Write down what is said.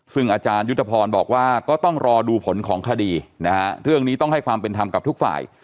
ซึ่งอาจารยุทธพรบอกว่าก็ต้องรอดูผลของคดีนะฮะเรื่องนี้ต้องให้ความเป็นธรรมกับทุกฝ่าย